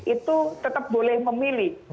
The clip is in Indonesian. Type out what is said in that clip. itu tetap boleh memilih